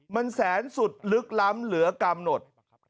มันแสนสุดลึกล้ำเหลือกำหนด